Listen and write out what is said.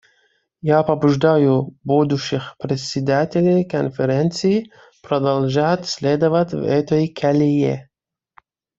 Я побуждаю будущих председателей Конференции продолжать следовать в этой колее.